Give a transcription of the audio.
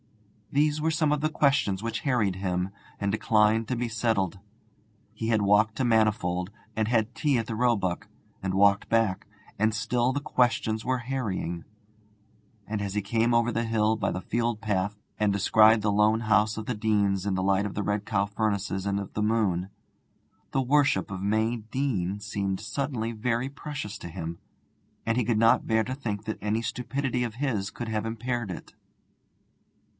These were some of the questions which harried him and declined to be settled. He had walked to Manifold, and had tea at the Roebuck, and walked back, and still the questions were harrying; and as he came over the hill by the field path, and descried the lone house of the Deanes in the light of the Red Cow furnaces and of the moon, the worship of May Deane seemed suddenly very precious to him, and he could not bear to think that any stupidity of his should have impaired it.